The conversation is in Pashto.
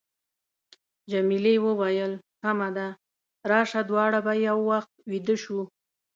جميلې وويل:، سمه ده، راشه دواړه به یو وخت بېده شو.